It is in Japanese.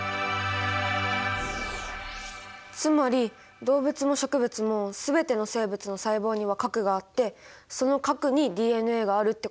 つまり動物も植物も全ての生物の細胞には核があってその核にＤＮＡがあるってことなんですね。